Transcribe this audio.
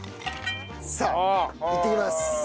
さあいってきます。